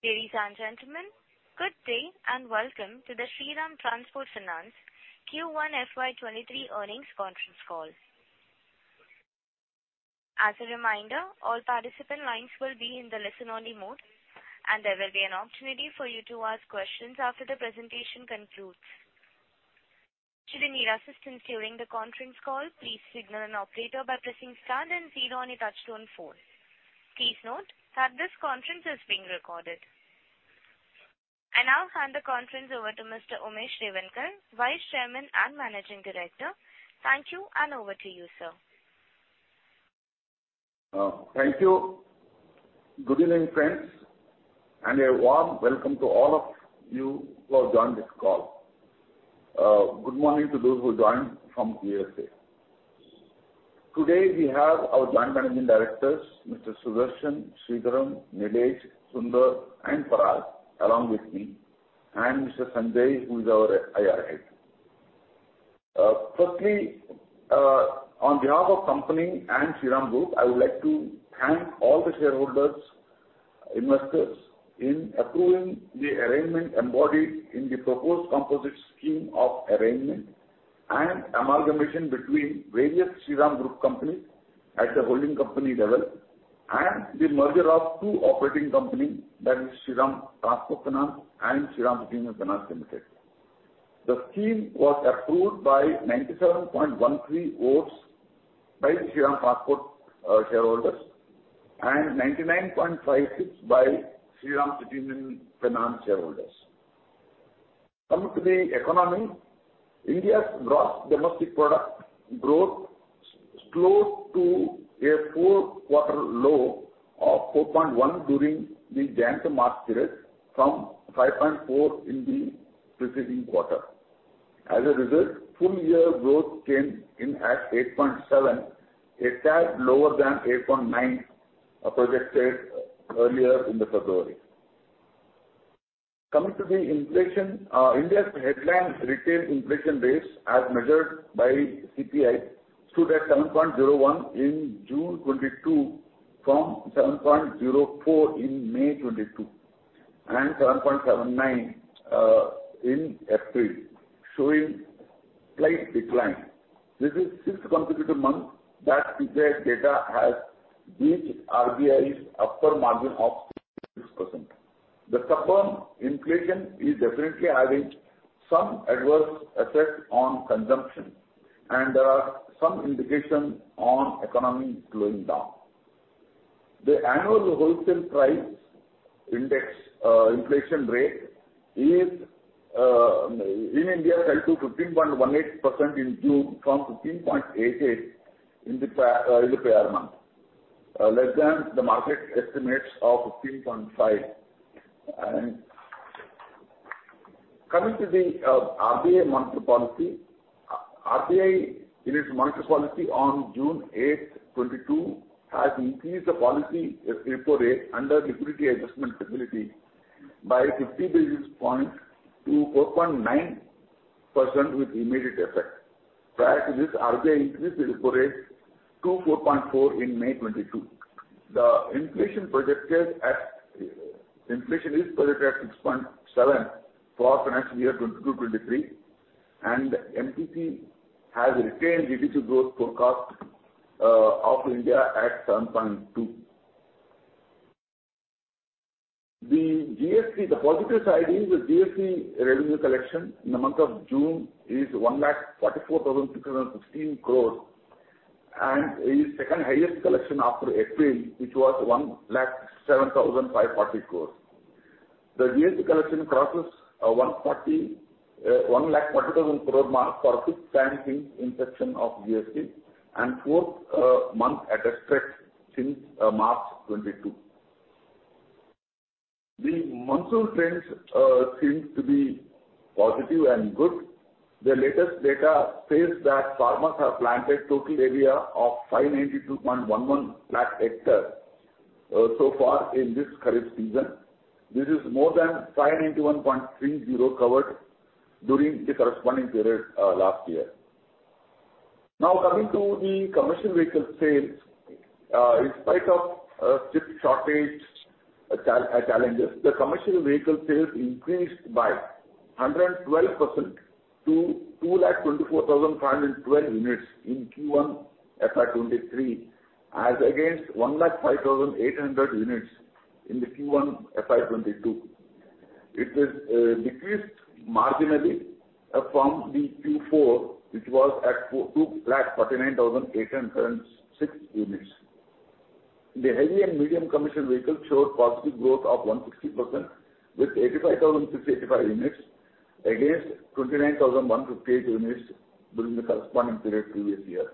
Ladies and gentlemen, good day and welcome to the Shriram Transport Finance Q1 FY 2023 earnings conference call. As a reminder, all participant lines will be in the listen only mode, and there will be an opportunity for you to ask questions after the presentation concludes. Should you need assistance during the conference call, please signal an operator by pressing star then zero on your touchtone phone. Please note that this conference is being recorded. I now hand the conference over to Mr. Umesh Revankar, Vice Chairman and Managing Director. Thank you and over to you, sir. Thank you. Good evening, friends, and a warm welcome to all of you who have joined this call. Good morning to those who joined from USA. Today, we have our joint managing directors, Mr. Sudarshan, Sridharan, Nilesh, Sundar, and Parag, along with me and Mr. Sanjay, who is our IR head. Firstly, on behalf of company and Shriram Group, I would like to thank all the shareholders, investors in approving the arrangement embodied in the proposed composite scheme of arrangement and amalgamation between various Shriram Group companies at the holding company level and the merger of two operating company that is Shriram Transport Finance and Shriram City Union Finance Limited. The scheme was approved by 97.13% votes by Shriram Transport shareholders and 99.56% by Shriram City Union Finance shareholders. Coming to the economy, India's gross domestic product growth slowed to a four-quarter low of 4.1% during the January to March period, from 5.4% in the preceding quarter. As a result, full year growth came in at 8.7%, a tad lower than 8.9% projected earlier in February. Coming to the inflation, India's headline retail inflation rates, as measured by CPI, stood at 7.01% in June 2022 from 7.04% in May 2022 and 7.79% in April, showing slight decline. This is sixth consecutive month that India data has beat RBI's upper margin of 6%. The stubborn inflation is definitely having some adverse effect on consumption, and there are some indications on economy slowing down. The annual Wholesale Price Index inflation rate in India fell to 15.18% in June from 15.88% in the prior month, less than the market estimates of 15.5%. Coming to the RBI monetary policy, RBI in its monetary policy on June 8, 2022, has increased the policy repo rate under Liquidity Adjustment Facility by 50 basis points to 4.9% with immediate effect. Prior to this, RBI increased repo rate to 4.4 in May 2022. Inflation is projected at 6.7 for financial year 2022-2023, and MPC has retained GDP growth forecast of India at 7.2. The GST, the positive side is the GST revenue collection in the month of June is 1,44,616 crore and is second-highest collection after April, which was 1,07,540 crore. The GST collection crosses 1,40,000 crore mark for sixth time since inception of GST and fourth month at a stretch since March 2022. The monsoon trends seems to be positive and good. The latest data states that farmers have planted total area of 592.11 lakh hectare so far in this Kharif season. This is more than 591.30 covered during the corresponding period last year. Now, coming to the commercial vehicle sales. In spite of chip shortage challenges, the commercial vehicle sales increased by 112% to 2,24,512 units in Q1 FY 2023, as against 1,05,800 units in the Q1 FY 2022. It is decreased marginally from the Q4 which was at 2,49,806 units. The heavy and medium commercial vehicle showed positive growth of 160% with 85,685 units against 29,158 units during the corresponding period previous year.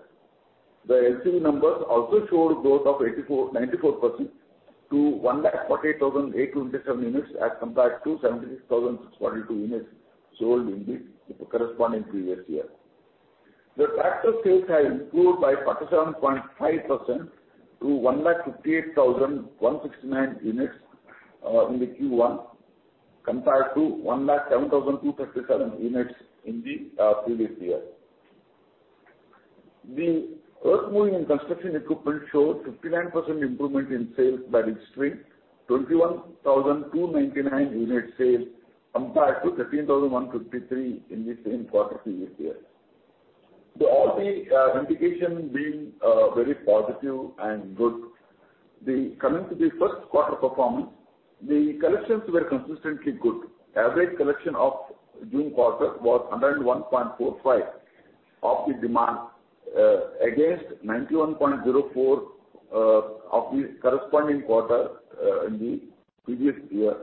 The LCV numbers also showed growth of 94% to 1,48,827 units as compared to 76,642 units sold in the corresponding previous year. The tractor sales have improved by 47.5% to 158,169 units in the Q1 compared to 107,257 units in the previous year. The earthmoving and construction equipment showed 59% improvement in sales by registering 21,299 unit sales compared to 13,153 in the same quarter previous year. All the indications being very positive and good, coming to the first quarter performance, the collections were consistently good. Average collection of June quarter was 101.45 of the demand against 91.04 of the corresponding quarter in the previous year,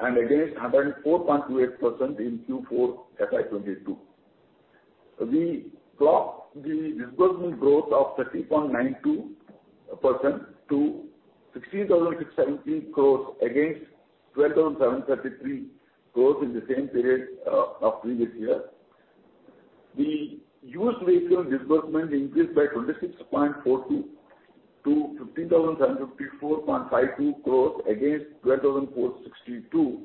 and against 104.28% in Q4 FY 2022. We clocked the disbursement growth of 30.92% to 16,670 crores against 12,733 crores in the same period of previous year. The used vehicle disbursement increased by 26.40% to 15,754.52 crores against 12,462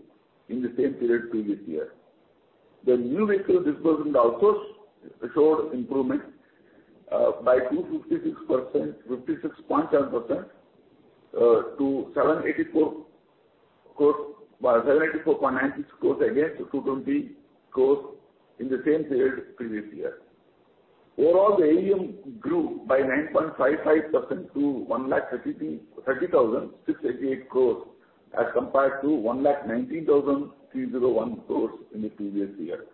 in the same period previous year. The new vehicle disbursement also showed improvement by 56.7% to 784.90 crores against 220 crores in the same period previous year. Overall, the AUM grew by 9.55% to 1,30,688 crores as compared to 1,90,301 crores in the previous year.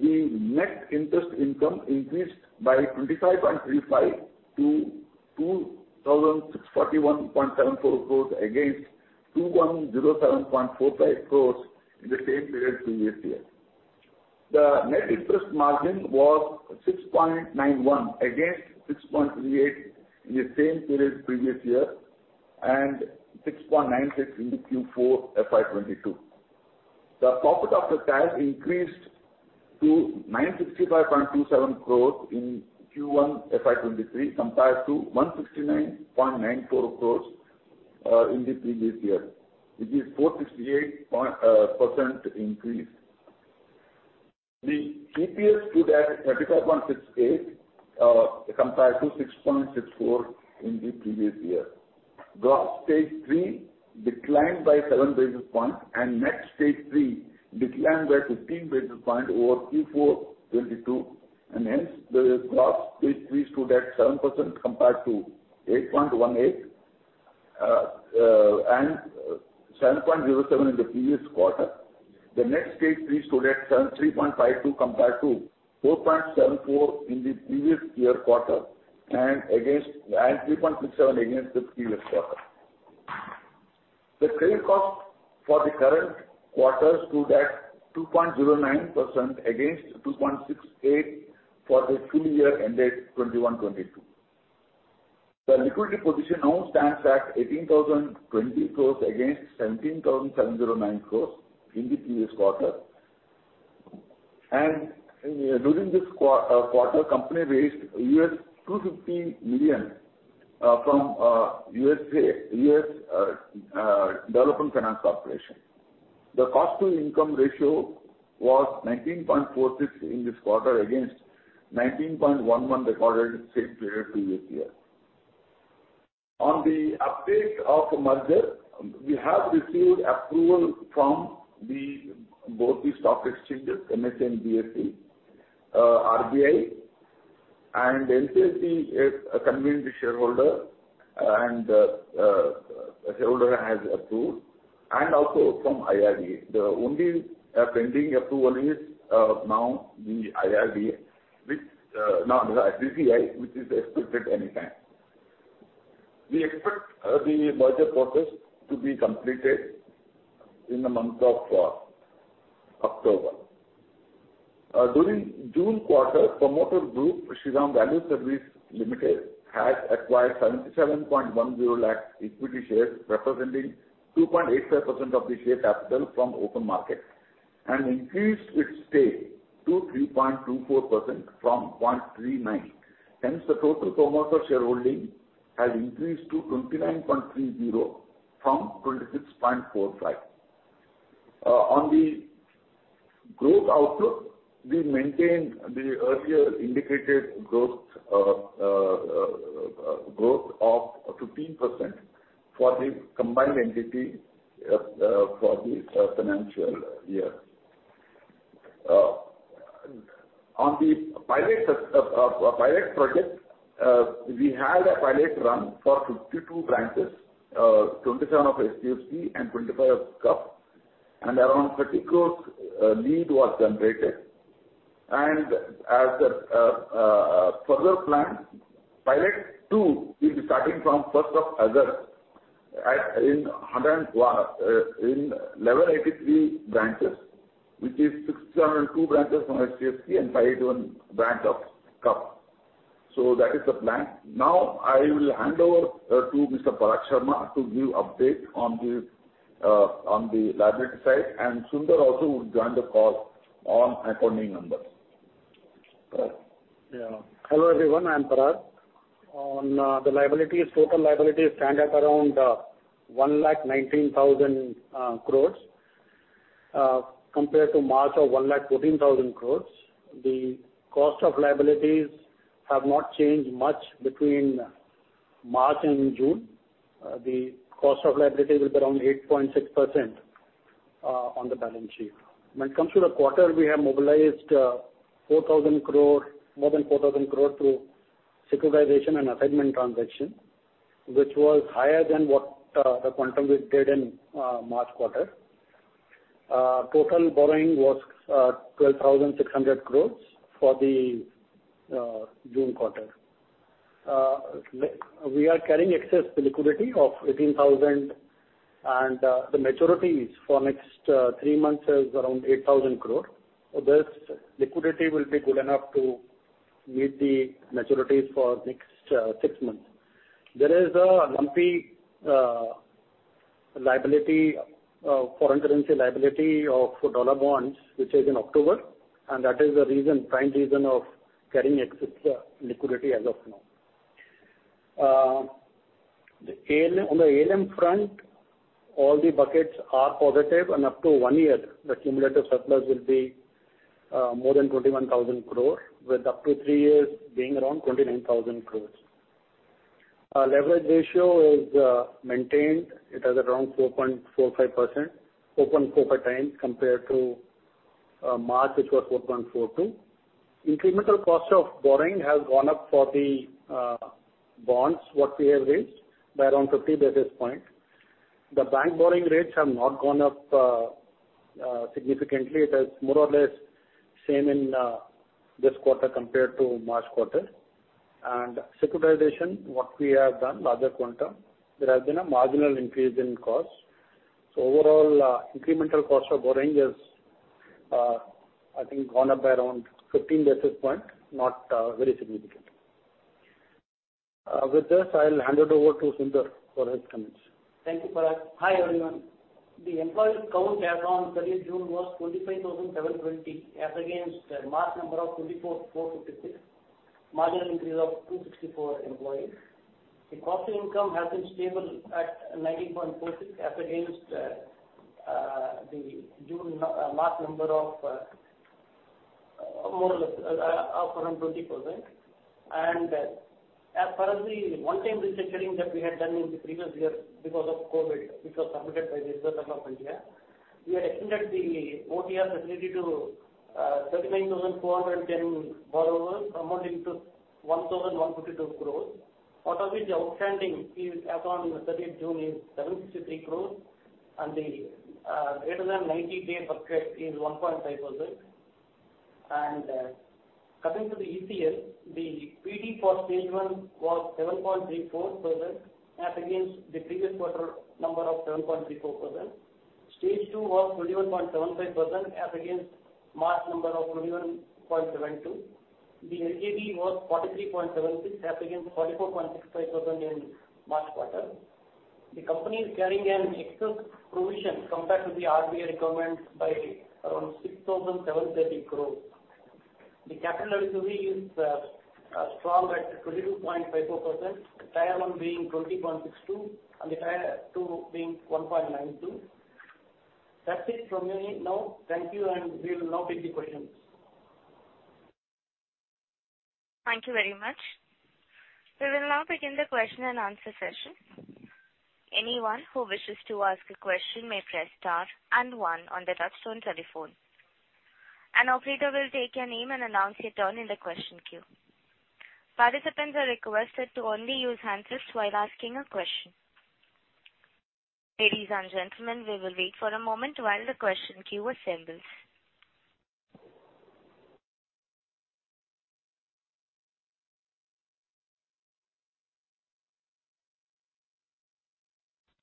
The net interest income increased by 25.35% to 2,641.74 crores against 2,107.45 crores in the same period previous year. The net interest margin was 6.91% against 6.38% in the same period previous year, and 6.96% in the Q4 FY 2022. The profit after tax increased to 965.27 crores in Q1 FY 2023 compared to 169.94 crores in the previous year, which is 468% increase. The EPS stood at 35.68 compared to 6.64 in the previous year. Gross stage three declined by 7 basis points, and net stage three declined by 15 basis points over Q4 2022, and hence the gross stage three stood at 7% compared to 8.18% and 7.07% in the previous quarter. The net stage three stood at 3.52% compared to 4.74% in the previous year quarter and 3.67% in the previous quarter. The credit cost for the current quarter stood at 2.09% against 2.68% for the full year ended 2021-2022. The liquidity position now stands at 18,020 crores against 17,709 crores in the previous quarter. During this quarter, company raised $250 million from U.S. International Development Finance Corporation. The cost to income ratio was 19.46% in this quarter against 19.11% recorded same period previous year. On the update of merger, we have received approval from both the stock exchanges, NSE and BSE, RBI, and NCLT has convened the shareholder and shareholder has approved, and also from IRDAI. The only pending approval is the CCI, which is expected anytime. We expect the merger process to be completed in the month of October. During June quarter, promoter group Shriram Value Services Limited has acquired 77.10 lakh equity shares representing 2.85% of the share capital from open market and increased its stake to 3.24% from 0.39%. Hence, the total promoter shareholding has increased to 29.30% from 26.45%. On the growth outlook, we maintained the earlier indicated growth of 15% for the combined entity for the financial year. On the pilot project, we had a pilot run for 52 branches, 27 of STFC and 25 of CUF, and around 30 crore lead was generated. As the further plan, pilot two will be starting from first of August in 1,183 branches, which is 602 branches from STFC and 581 branches of CUF. That is the plan. Now, I will hand over to Mr. Parag Sharma to give update on the liability side, and Sundar also will join the call on recording number. Parag? Hello, everyone. I'm Parag. On the liabilities, total liabilities stand at around 1,19,000 crore. Compared to March of 1,14,000 crore, the cost of liabilities have not changed much between March and June. The cost of liability will be around 8.6% on the balance sheet. When it comes to the quarter, we have mobilized four thousand crore, more than four thousand crore through securitization and assignment transaction, which was higher than what the quantum we did in March quarter. Total borrowing was twelve thousand six hundred crore for the June quarter. We are carrying excess liquidity of eighteen thousand crore and the maturities for next three months is around eight thousand crore. This liquidity will be good enough to meet the maturities for next six months. There is a lumpy liability, foreign currency liability of dollar bonds, which is in October, and that is the reason, prime reason of carrying excess liquidity as of now. On the ALM front, all the buckets are positive, and up to one year, the cumulative surplus will be more than 21,000 crore, with up to three years being around 29,000 crore. Our leverage ratio is maintained. It is around 4.45%, 4.4x compared to March, which was 4.42. Incremental cost of borrowing has gone up for the bonds that we have raised by around 50 basis points. The bank borrowing rates have not gone up significantly. It is more or less same in this quarter compared to March quarter. Securitization, what we have done, larger quantum, there has been a marginal increase in cost. Overall, incremental cost of borrowing is, I think, gone up by around 15 basis points, not very significant. With this, I'll hand it over to Sundar for his comments. Thank you, Parag. Hi, everyone. The employee count as on 30 June was 25,720 as against March number of 24,456, marginal increase of 264 employees. The cost income has been stable at 90.46% as against the March number of more or less up around 20%. As per the one-time restructuring that we had done in the previous year because of COVID, which was permitted by Reserve Bank of India, we had extended the OTR facility to 39,410 borrowers amounting to 1,152 crore, out of which the outstanding as on 30th June is 763 crore, and the greater than 90-day past due is 1.5%. Coming to the ECL, the PD for stage one was 7.34% as against the previous quarter number of 7.34%. Stage two was 21.75% as against March number of 21.72. The NPL was 43.76% as against 44.65% in March quarter. The company is carrying an excess provision compared to the RBI requirement by around 6,730 crore. The capital adequacy is strong at 22.54%, the Tier 1 being 20.62 and the Tier 2 being 1.92. That's it from me now. Thank you, and we will now take the questions. Thank you very much. We will now begin the question-and-answer session. Anyone who wishes to ask a question may press star and one on their touchtone telephone. An operator will take your name and announce your turn in the question queue. Participants are requested to only use handsets while asking a question. Ladies and gentlemen, we will wait for a moment while the question queue assembles.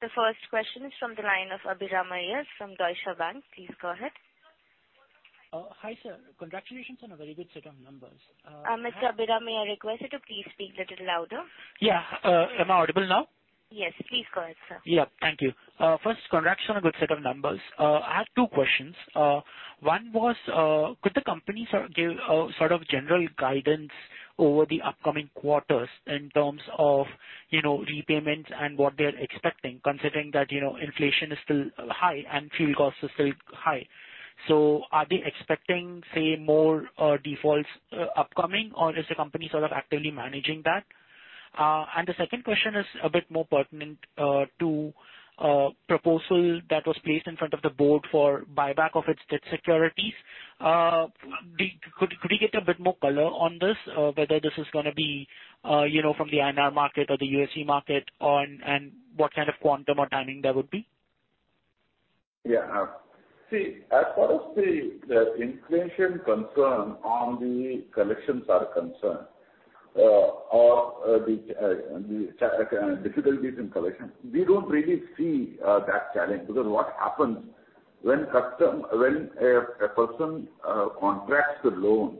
The first question is from the line of Abhiram Iyengar from Deutsche Bank. Please go ahead. Hi, sir. Congratulations on a very good set of numbers. Mr. Abhiram, may I request you to please speak little louder? Yeah. Am I audible now? Yes. Please go ahead, sir. Yeah. Thank you. First, congrats on a good set of numbers. I have two questions. One was, could the company sort of give sort of general guidance over the upcoming quarters in terms of, you know, repayments and what they're expecting, considering that, you know, inflation is still high and fuel costs are still high. Are they expecting, say, more defaults upcoming, or is the company sort of actively managing that? The second question is a bit more pertinent to proposal that was placed in front of the board for buyback of its debt securities. Could we get a bit more color on this, whether this is gonna be, you know, from the INR market or the USD market, or and what kind of quantum or timing that would be? Yeah. See, as far as the inflation concern on the collections are concerned, or the difficulties in collection, we don't really see that challenge. Because what happens when a person contracts the loan,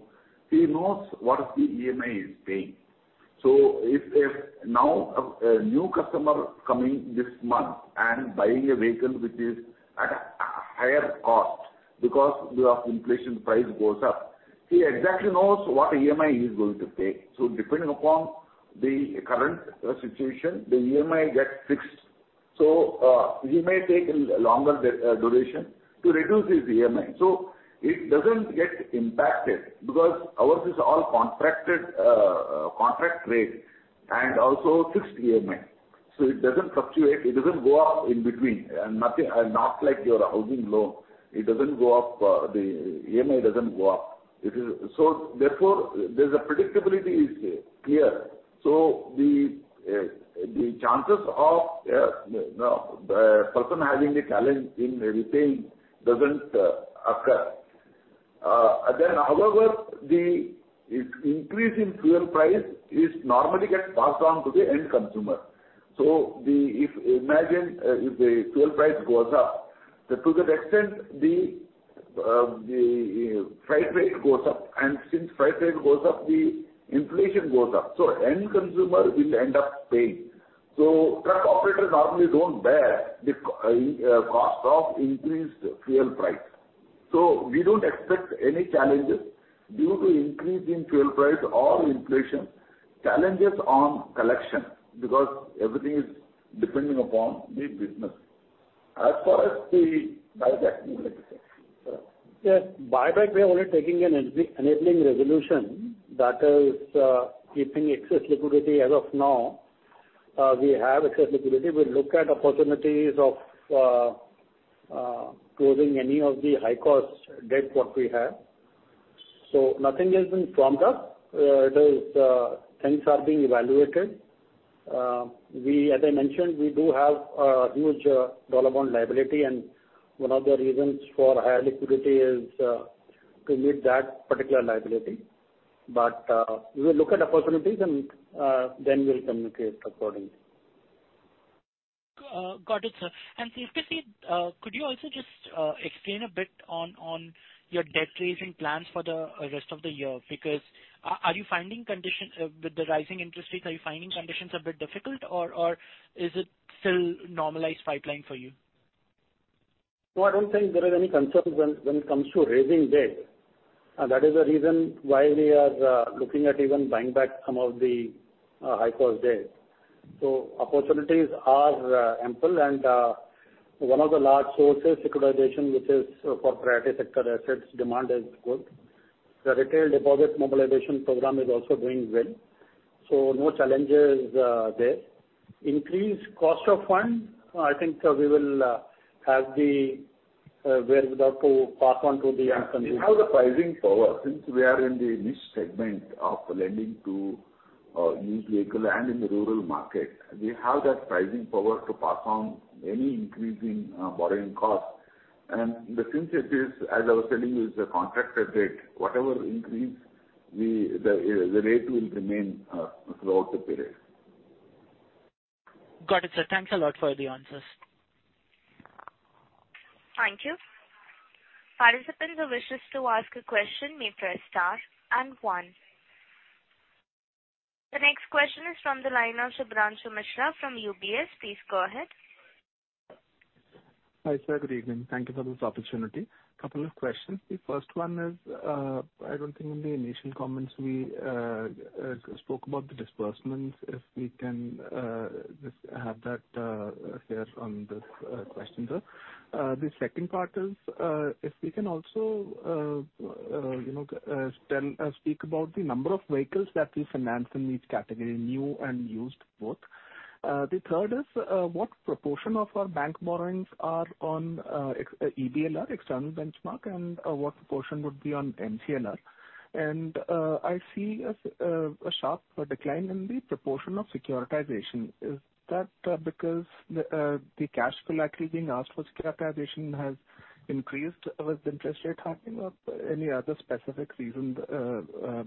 he knows what the EMI he's paying. If a new customer coming this month and buying a vehicle which is at a higher cost because of inflation price goes up, he exactly knows what EMI he's going to pay. Depending upon The current situation, the EMI gets fixed. He may take a longer duration to reduce his EMI. It doesn't get impacted because ours is all contracted contract rate and also fixed EMI. It doesn't fluctuate. It doesn't go up in between, and nothing. Not like your housing loan. It doesn't go up, the EMI doesn't go up. Therefore, the predictability is clear. The chances of a person having a challenge in repaying doesn't occur. However, the increase in fuel price is normally passed on to the end consumer. Imagine if the fuel price goes up, to that extent, the freight rate goes up, and since freight rate goes up, the inflation goes up. End consumer will end up paying. Truck operators normally don't bear the cost of increased fuel price. We don't expect any challenges due to increase in fuel price or inflation. Challenges on collection because everything is depending upon the business. As far as the buyback is concerned, sir. Yes. Buyback, we are only taking an enabling resolution that is keeping excess liquidity as of now. We have excess liquidity. We'll look at opportunities of closing any of the high-cost debt that we have. Nothing has been firmed up. It is. Things are being evaluated. As I mentioned, we do have a huge dollar bond liability, and one of the reasons for higher liquidity is to meet that particular liability. We will look at opportunities and then we'll communicate accordingly. Got it, sir. And could you also just explain a bit on your debt raising plans for the rest of the year? Because are you finding conditions with the rising interest rates a bit difficult or is it still normalized pipeline for you? No, I don't think there are any concerns when it comes to raising debt. That is the reason why we are looking at even buying back some of the high cost debt. Opportunities are ample and one of the large sources, securitization, which is for priority sector assets, demand is good. The retail deposit mobilization program is also doing well. No challenges there. Increased cost of funds, I think we will have the wherewithal to pass on to the end consumer. Yeah. We have the pricing power. Since we are in the niche segment of lending to used vehicle and in the rural market, we have that pricing power to pass on any increase in borrowing costs. Since it is, as I was telling you, a contracted rate, whatever increase, the rate will remain throughout the period. Got it, sir. Thanks a lot for the answers. Thank you. Participants who wishes to ask a question may press star and one. The next question is from the line of Shubhranshu Mishra from UBS. Please go ahead. Hi, sir. Good evening. Thank you for this opportunity. Couple of questions. The first one is, I don't think in the initial comments we spoke about the disbursements, if we can just have that shared on this question, sir. The second part is, if we can also you know speak about the number of vehicles that we finance in each category, new and used both. The third is, what proportion of our bank borrowings are on EBLR, external benchmark, and what proportion would be on MCLR? I see a sharp decline in the proportion of securitization. Is that because the cash flow actually being asked for securitization has increased with interest rate hiking or any other specific reason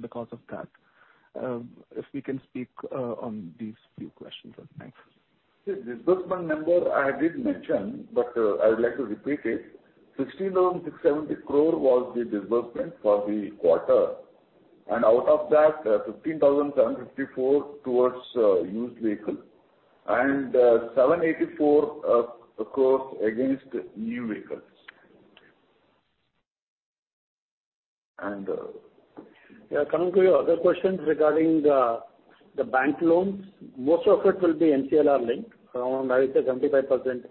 because of that? If we can speak on these few questions as well. Thanks. The disbursement number I did mention, but I would like to repeat it. 69,670 crore was the disbursement for the quarter. Out of that, 15,754 crore towards used vehicle and 784 crores against new vehicles. Yeah. Coming to your other questions regarding the bank loans, most of it will be MCLR linked. Around, I would say, 75%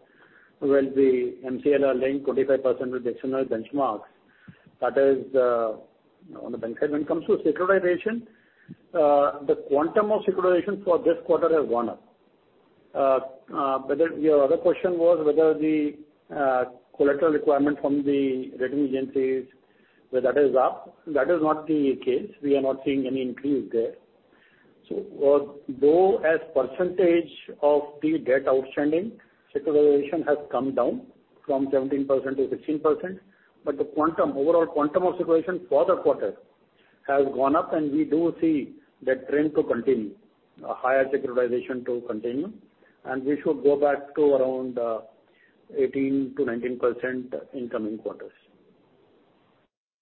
will be MCLR linked, 25% with additional benchmarks. That is on the bank side. When it comes to securitization, the quantum of securitization for this quarter has gone up. Your other question was whether the collateral requirement from the rating agencies, whether that is up. That is not the case. We are not seeing any increase there. Though as percentage of the debt outstanding, securitization has come down from 17% to 16%, but the quantum, overall quantum of securitization for the quarter has gone up, and we do see that trend to continue, a higher securitization to continue, and we should go back to around 18%-19% in coming quarters.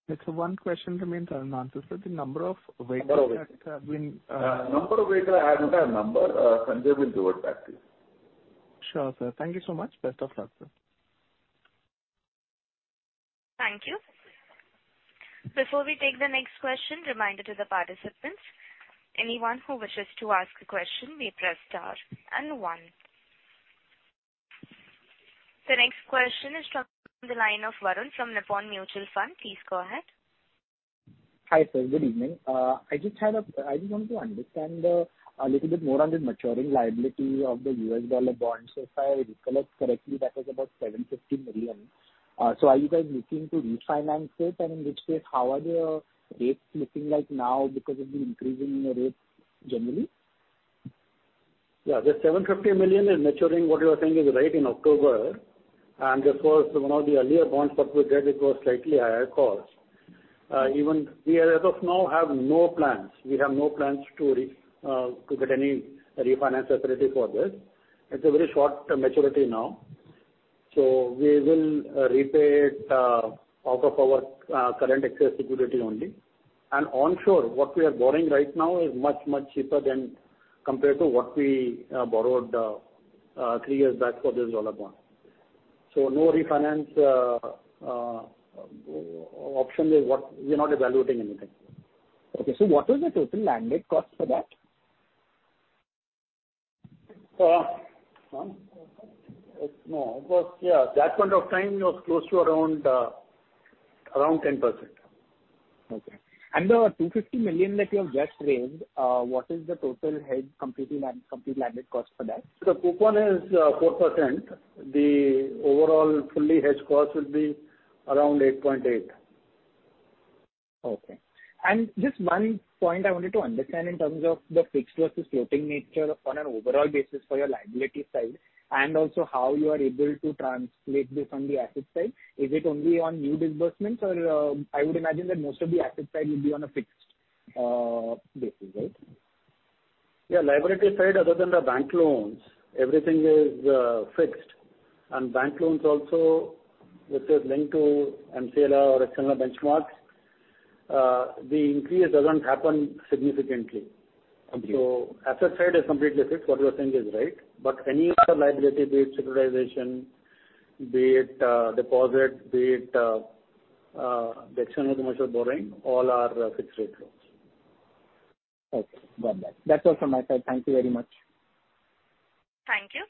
Yes. One question remains unanswered, sir. The number of vehicles that have been, Number of vehicles. Number of vehicle, I don't have number. Sunder will give it back to you. Sure, sir. Thank you so much. Best of luck, sir. Thank you. Before we take the next question, reminder to the participants. Anyone who wishes to ask a question may press star and one. The next question is from the line of Varun from Nippon Mutual Fund. Please go ahead. Hi, sir. Good evening. I just want to understand a little bit more on the maturing liability of the U.S. dollar bonds. If I recollect correctly, that was about $750 million. Are you guys looking to refinance it? In which case, how are the rates looking like now because of the increase in rates generally? Yeah. The $750 million is maturing, what you are saying is right, in October. Of course, one of the earlier bonds that we did, it was slightly higher cost. Even we as of now have no plans. We have no plans to get any refinance facility for this. It is a very short maturity now. We will repay it out of our current excess liquidity only. Onshore, what we are borrowing right now is much, much cheaper than compared to what we borrowed three years back for this dollar bond. No refinance option is what. We are not evaluating anything. Okay. What is the total landed cost for that? No, it was. Yeah. That point of time it was close to around 10%. Okay. The $250 million that you have just raised, what is the total hedging cost and complete landed cost for that? The coupon is 4%. The overall fully hedged cost will be around 8.8%. Okay. Just one point I wanted to understand in terms of the fixed versus floating nature on an overall basis for your liability side and also how you are able to translate this on the asset side. Is it only on new disbursements or, I would imagine that most of the asset side will be on a fixed basis, right? Yeah. Liability side, other than the bank loans, everything is fixed. Bank loans also, which is linked to MCLR or external benchmarks, the increase doesn't happen significantly. Okay. Asset side is completely fixed. What you are saying is right. Any other liability, be it securitization, be it deposit, be it the external commercial borrowing, all are fixed rate loans. Okay. Got that. That's all from my side. Thank you very much. Thank you.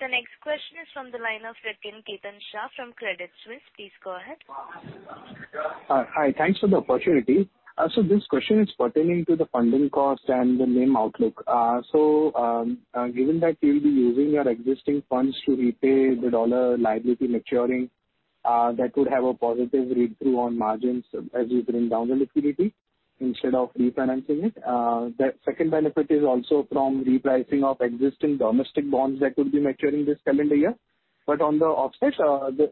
The next question is from the line of Rikin Shah from Credit Suisse. Please go ahead. Hi. Thanks for the opportunity. This question is pertaining to the funding cost and the NIM outlook. Given that you'll be using your existing funds to repay the dollar liability maturing, that would have a positive read through on margins as you bring down the liquidity instead of refinancing it. The second benefit is also from repricing of existing domestic bonds that could be maturing this calendar year. On the offset, the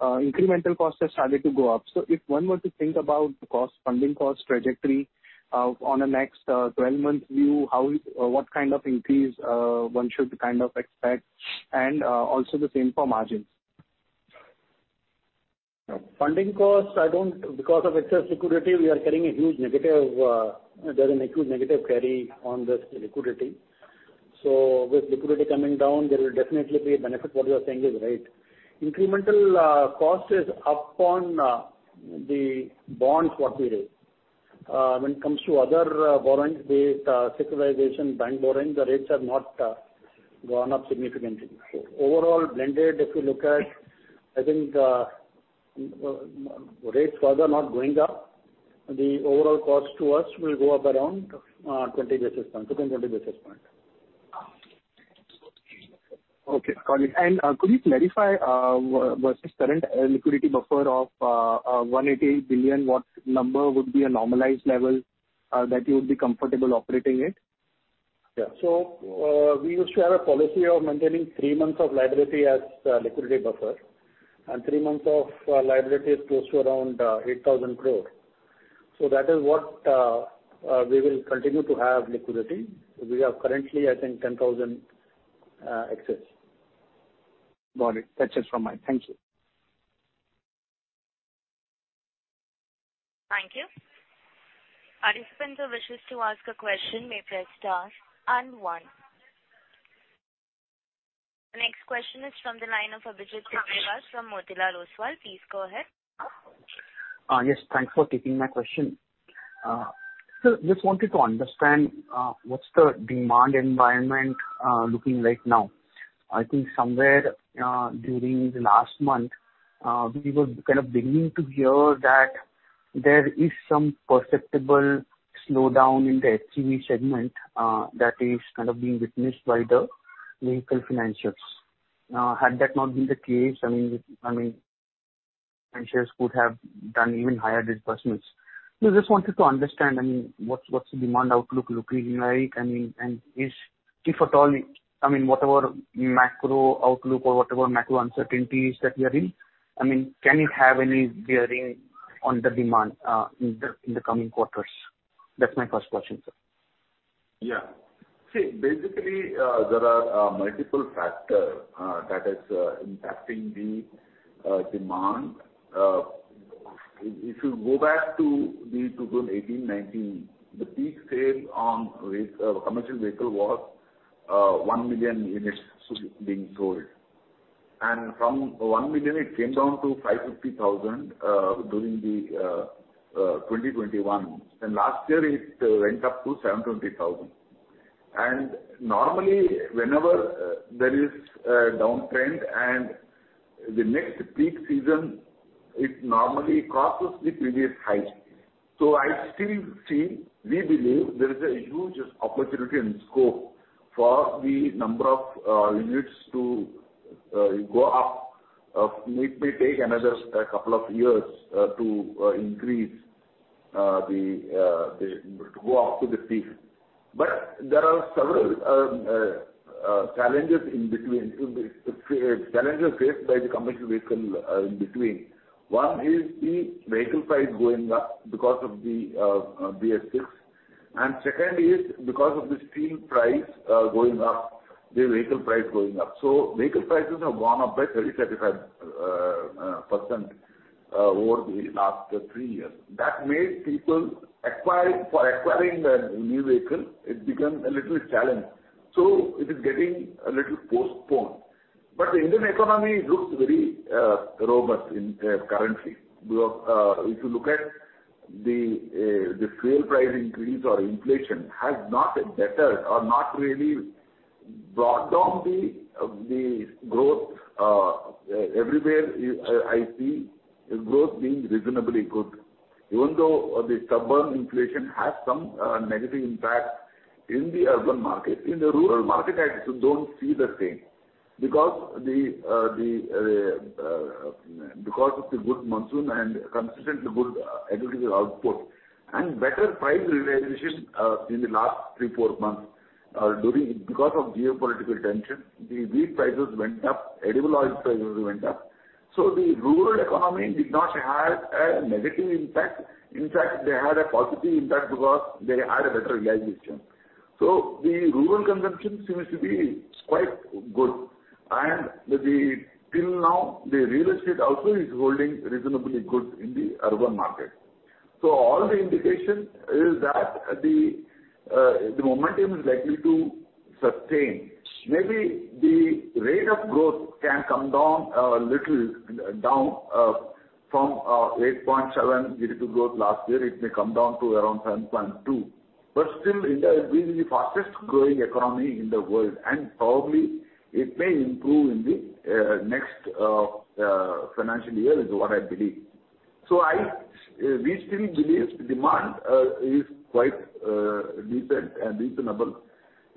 incremental costs have started to go up. If one were to think about the funding cost trajectory on a next 12-month view, what kind of increase one should kind of expect, and also the same for margins? Because of excess liquidity, we are carrying a huge negative carry. There's an acute negative carry on this liquidity. With liquidity coming down, there will definitely be a benefit. What you are saying is right. Incremental cost is up on the bonds what we raise. When it comes to other borrowings based securitization, bank borrowings, the rates have not gone up significantly. Overall blended, if you look at, I think, rates further not going up, the overall cost to us will go up around 20 basis points, between 20 basis points. Okay. Got it. Could you clarify, versus current liquidity buffer of 180 billion, what number would be a normalized level that you would be comfortable operating it? We used to have a policy of maintaining three months of liability as liquidity buffer, and three months of liability is close to around 8,000 crore. That is what we will continue to have liquidity. We have currently, I think, 10,000 excess. Got it. That's it from my end. Thank you. Thank you. Participants who wishes to ask a question may press star and one. The next question is from the line of Abhijeet Kamble from Motilal Oswal. Please go ahead. Yes, thanks for taking my question. Just wanted to understand, what's the demand environment looking like now? I think somewhere during the last month, we were kind of beginning to hear that there is some perceptible slowdown in the HGV segment, that is kind of being witnessed by the vehicle financiers. Had that not been the case, I mean, financiers could have done even higher disbursements. Just wanted to understand, I mean, what's the demand outlook looking like? I mean, and is, if at all, I mean, whatever macro outlook or whatever macro uncertainties that we are in, I mean, can it have any bearing on the demand in the coming quarters? That's my first question, sir. Yeah. See, basically, there are multiple factor that is impacting the demand. If you go back to the 2018-2019, the peak sales on commercial vehicle was 1,000,000 units being sold. From 1,000,000 it came down to 550,000 during 2021. Last year it went up to 720,000. Normally, whenever there is a downtrend and the next peak season, it normally crosses the previous highs. I still see, we believe there is a huge opportunity and scope for the number of units to go up. It may take another couple of years to go up to the peak. There are several challenges in between. Challenges faced by the commercial vehicle in between. One is the vehicle price going up because of the BS-VI. Second is because of the steel price going up, the vehicle price going up. Vehicle prices have gone up by 35% over the last three years. That made people acquire, for acquiring a new vehicle, it becomes a little challenge. It is getting a little postponed. The Indian economy looks very robust currently. If you look at the fuel price increase or inflation has not battered or not really brought down the growth. Everywhere I see growth being reasonably good. Even though the stubborn inflation has some negative impact in the urban market. In the rural market, I don't see the same because of the good monsoon and consistently good agricultural output and better price realization in the last three to four months. Because of geopolitical tension, the wheat prices went up, edible oil prices went up. The rural economy did not have a negative impact. In fact, they had a positive impact because they had a better realization. The rural consumption seems to be quite good. Till now, the real estate also is holding reasonably good in the urban market. All the indication is that the momentum is likely to sustain. Maybe the rate of growth can come down a little from 8.7% GDP growth last year, it may come down to around 7.2%. Still India will be the fastest growing economy in the world, and probably it may improve in the next financial year, is what I believe. I, we still believe demand is quite decent and reasonable.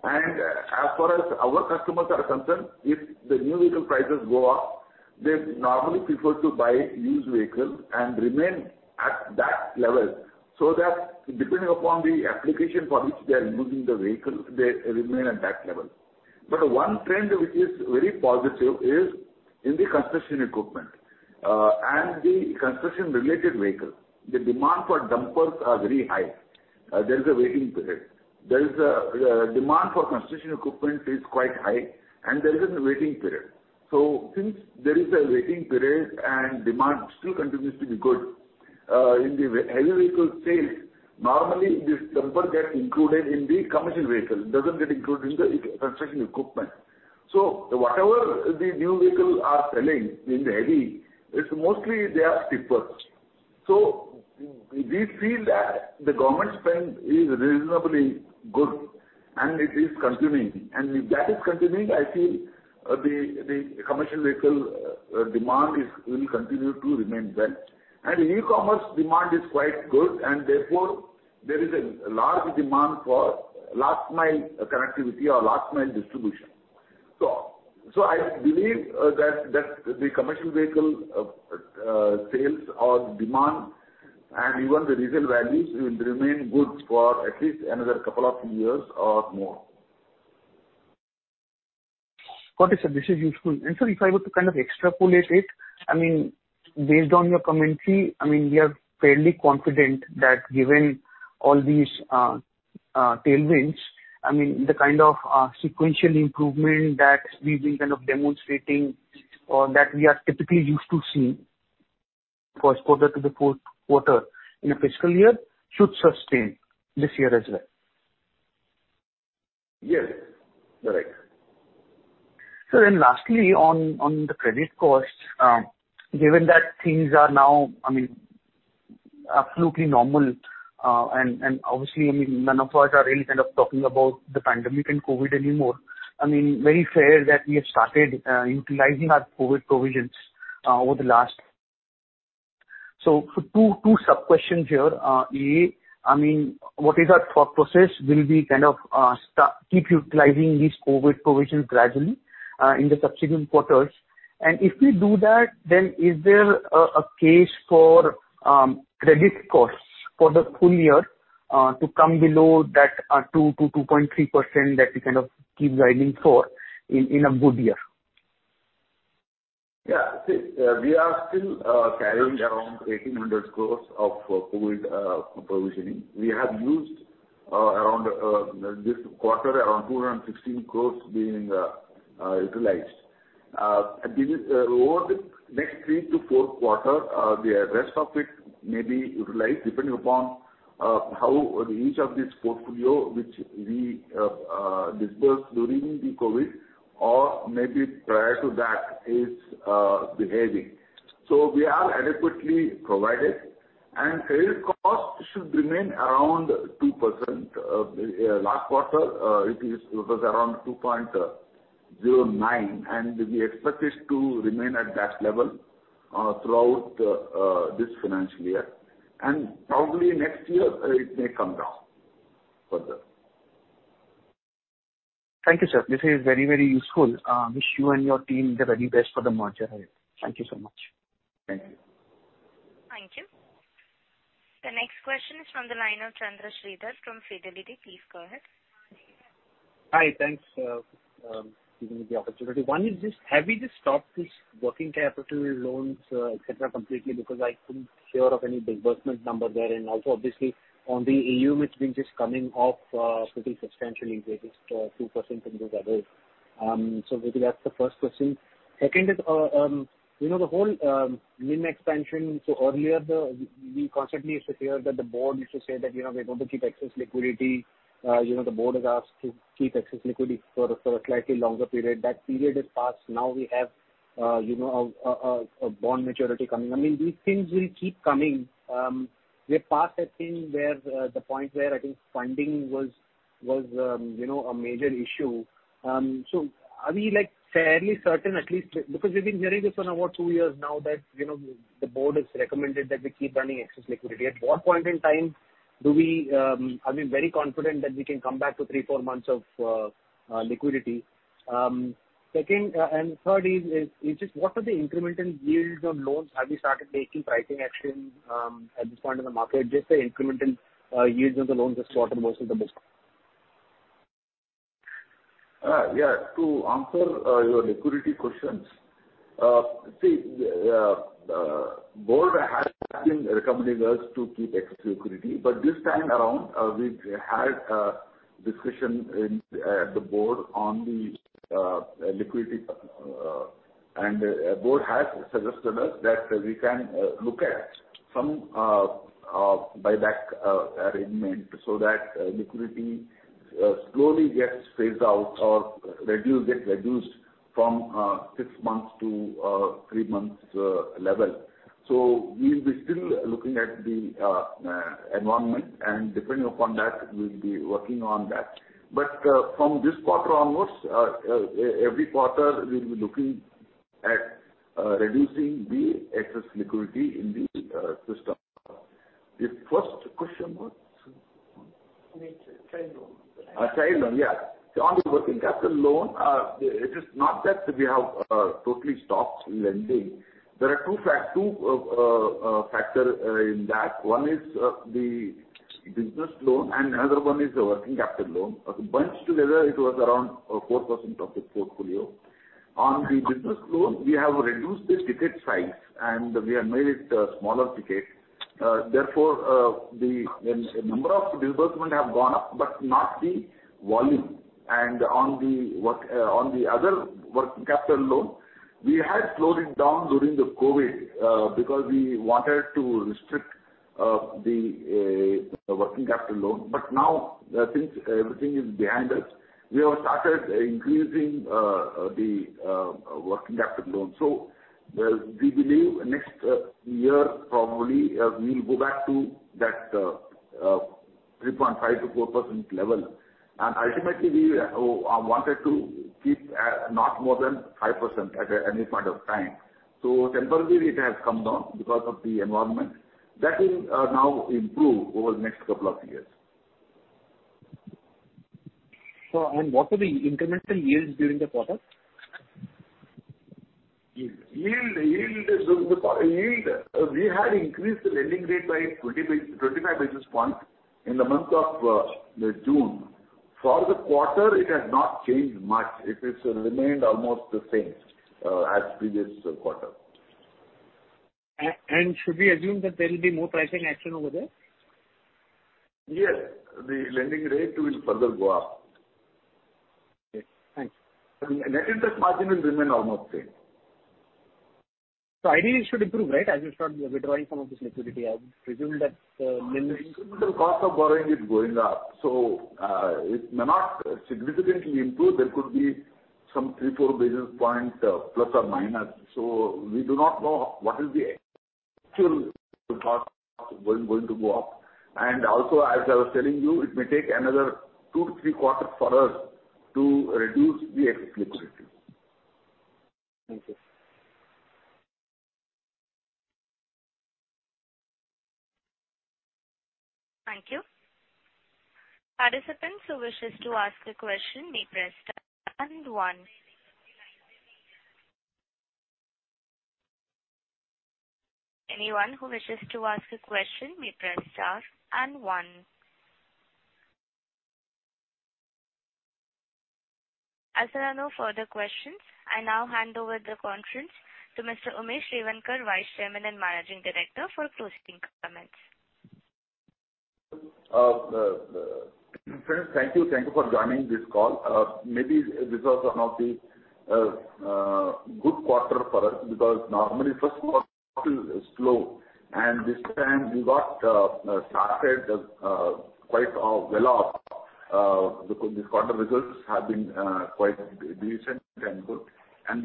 As far as our customers are concerned, if the new vehicle prices go up, they normally prefer to buy used vehicles and remain at that level, so that depending upon the application for which they are using the vehicle, they remain at that level. One trend which is very positive is in the construction equipment and the construction related vehicle. The demand for dumpers is very high. There is a waiting period. There is a demand for construction equipment is quite high, and there is a waiting period. Since there is a waiting period and demand still continues to be good, in the heavy vehicle sales, normally this dumper gets included in the commercial vehicle, it doesn't get included in the construction equipment. Whatever the new vehicles are selling in the heavy, it's mostly they are tippers. We feel that the government spend is reasonably good and it is continuing. If that is continuing, I feel the commercial vehicle demand will continue to remain well. E-commerce demand is quite good and therefore there is a large demand for last mile connectivity or last mile distribution. I believe that the commercial vehicle sales or demand and even the resale values will remain good for at least another couple of years or more. Got it, sir. This is useful. Sir, if I were to kind of extrapolate it, I mean, based on your commentary, I mean, we are fairly confident that given all these tailwinds, I mean, the kind of sequential improvement that we've been kind of demonstrating or that we are typically used to seeing corresponds to the fourth quarter in a fiscal year should sustain this year as well. Yes. Correct. Last, on the credit costs, given that things are now, I mean, absolutely normal, and obviously, I mean, none of us are really kind of talking about the pandemic and COVID anymore. I mean, very fair that we have started utilizing our COVID provisions over the last. Two sub-questions here. a) I mean, what is our thought process? Will we kind of keep utilizing these COVID provisions gradually in the subsequent quarters? And if we do that, then is there a case for credit costs for the full year to come below that 2%-2.3% that we kind of keep guiding for in a good year? Yeah. See, we are still carrying around 1,800 crores of COVID provisioning. We have used around this quarter around 216 crores being utilized. This is over the next three to four quarters, the rest of it may be utilized depending upon how each of this portfolio which we disbursed during the COVID or maybe prior to that is behaving. We are adequately provided. Credit cost should remain around 2%. Last quarter, it was around 2.09%, and we expect it to remain at that level throughout this financial year. Probably next year, it may come down further. Thank you, sir. This is very, very useful. Wish you and your team the very best for the merger. Thank you so much. Thank you. Thank you. The next question is from the line of Chandrashekhar from Fidelity. Please go ahead. Hi, thanks, giving me the opportunity. One is, have you stopped this working capital loans, et cetera, completely because I couldn't hear of any disbursement number there. Also obviously on the AUM, it's been just coming off, pretty substantially. There is 2% in those areas. Maybe that's the first question. Second is, you know, the whole NIM expansion. Earlier we constantly used to hear that the board used to say that, you know, we're going to keep excess liquidity. You know, the board has asked to keep excess liquidity for a slightly longer period. That period is passed. Now we have, you know, a bond maturity coming. I mean, these things will keep coming. We're past the point where I think funding was you know a major issue. Are we like fairly certain at least because we've been hearing this for now what two years now that you know the board has recommended that we keep running excess liquidity. At what point in time are we very confident that we can come back to three to four months of liquidity. Second and third is just what are the incremental yields on loans. Have you started taking pricing action at this point in the market. Just the incremental yields on the loans, just what are most of the business. Yeah. To answer your liquidity questions, the Board has been recommending us to keep excess liquidity, but this time around, we've had a discussion in the Board on the liquidity. The Board has suggested us that we can look at some buyback arrangement so that liquidity slowly gets phased out or get reduced from six months to three months level. We'll be still looking at the environment, and depending upon that, we'll be working on that. From this quarter onwards, every quarter we'll be looking at reducing the excess liquidity in the system. Your first question was? Trade loans. Trade loan. Yeah. On the working capital loan, it is not that we have totally stopped lending. There are two factors in that. One is the business loan and another one is the working capital loan. Bunched together it was around 4% of the portfolio. On the business loan, we have reduced the ticket size, and we have made it a smaller ticket. Therefore, the number of disbursements have gone up, but not the volume. On the other working capital loan, we had slowed it down during the COVID because we wanted to restrict the working capital loan. Now that since everything is behind us, we have started increasing the working capital loan. We believe next year probably we'll go back to that 3.5%-4% level. Ultimately, we wanted to keep not more than 5% at any point of time. Temporarily it has come down because of the environment. That will now improve over the next couple of years. What are the incremental yields during the quarter? The yield, we had increased the lending rate by 25 basis points in the month of June. For the quarter, it has not changed much. It has remained almost the same as previous quarter. Should we assume that there will be more pricing action over there? Yes. The lending rate will further go up. Okay. Thanks. Net interest margin will remain almost same. Ideally it should improve, right? As you start withdrawing some of this liquidity, I would presume that, lending. The cost of borrowing is going up, so it may not significantly improve. There could be some three to four basis points, plus or minus. We do not know what is the actual cost going to go up. Also as I was telling you, it may take another two to three quarters for us to reduce the excess liquidity. Thank you. Thank you. Participants who wishes to ask a question may press star and one. Anyone who wishes to ask a question may press star and one. As there are no further questions, I now hand over the conference to Mr. Umesh Revankar, Vice Chairman and Managing Director for closing comments. Friends, thank you. Thank you for joining this call. Maybe this was one of the good quarter for us because normally first quarter is slow and this time we got started quite well off because the quarter results have been quite decent and good.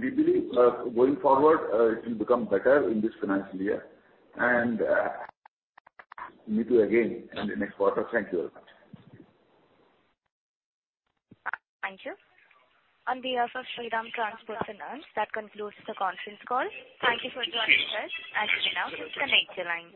We believe going forward it will become better in this financial year. Meet you again in the next quarter. Thank you very much. Thank you. On behalf of Shriram Transport Finance, that concludes the conference call. Thank you for joining us. As you know, disconnect your lines.